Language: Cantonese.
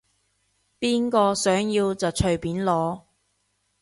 邊個想要就隨便攞